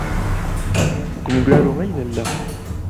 Deg wemgaru ay nella.